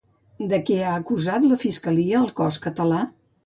De què ha acusat la fiscalia al cos català?